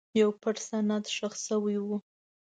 یو پټ سند ښخ شوی و.